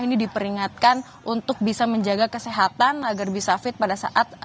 ini diperingatkan untuk bisa menjaga kesehatan agar bisa fit pada saat